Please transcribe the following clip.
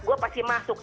saya pasti masuk